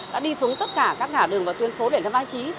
đã đi xuống tất cả các ngả đường và tuyên phố để tham gia trí